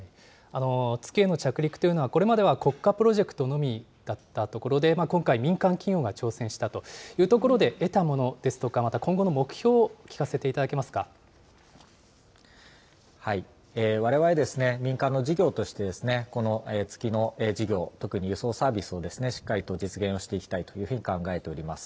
月への着陸というのは、これまでは国家プロジェクトのみだったところで、今回、民間企業が挑戦したというところで、得たものですとか、また今後われわれ、民間の事業として、この月の事業、特に輸送サービスをしっかりと実現していきたいというふうに考えております。